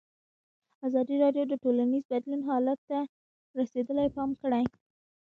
ازادي راډیو د ټولنیز بدلون حالت ته رسېدلي پام کړی.